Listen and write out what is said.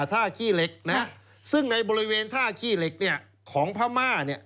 ท่าขี้เหล็กนะซึ่งในบริเวณท่าขี้เหล็กของพม่า